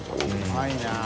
うまいなぁ。